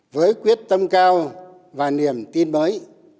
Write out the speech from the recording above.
với quyết tâm cao và niềm tin mới